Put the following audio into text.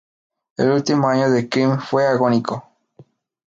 El último año de Cream fue agónico.